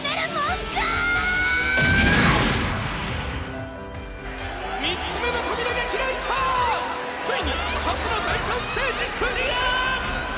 「ついに初の第３ステージクリア！」